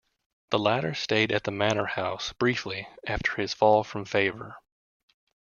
The latter stayed at the Manor House briefly after his fall from favour.